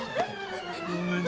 ごめんな。